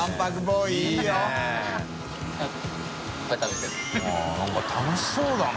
呂何か楽しそうだな。